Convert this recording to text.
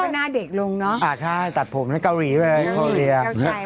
น่าเด็กลงเนอะอ่าใช่ตัดผมในเกาหลีไว้เกาหลีอ่ะ